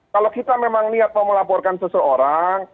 kalau kita memang niat mau melaporkan seseorang